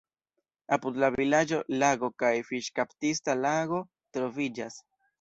Apud la vilaĝo lago kaj fiŝkaptista lago troviĝas.